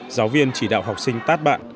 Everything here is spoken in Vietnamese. giáo viên chỉ đạo học sinh tát bạn